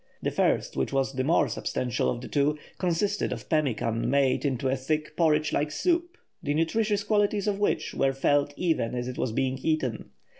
The first, which was the more substantial of the two, consisted of pemmican made into a thick porridge like soup, the nutritious qualities of which were felt even as it was being eaten.